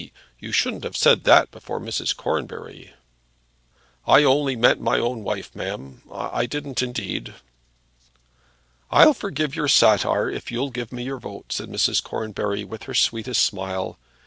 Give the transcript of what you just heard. you shouldn't have said that before Mrs. Cornbury!" "I only meant my own wife, ma'am; I didn't indeed." "I'll forgive your satire if you'll give me your vote," said Mrs. Cornbury, with her sweetest smile.